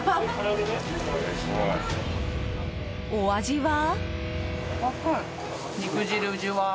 お味は？